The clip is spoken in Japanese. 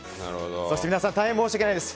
そして皆さん大変申し訳ないです。